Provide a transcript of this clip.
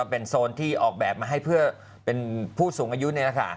เป็นโซนที่ออกแบบมาให้เพื่อเป็นผู้สูงอายุนี่แหละค่ะ